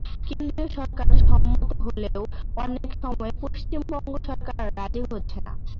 কেন্দ্রীয় সরকার সম্মত হলেও অনেক সময়ে পশ্চিমবঙ্গ সরকার রাজি হচ্ছে না।